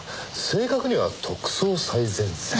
正確には『特捜最前線』。